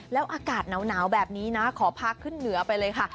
แล้วอากาศหนาวแบบนี้นะขอพาขึ้นเหนือไปเลยค่ะ